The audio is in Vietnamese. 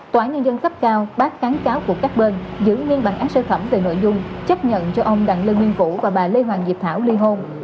tòa án nhân dân cấp cao bắt cán cáo của các bên giữ nguyên bản án sơ thẩm về nội dung chấp nhận cho ông đặng lê nguyên vũ và bà lê hoàng diệp thảo li hôn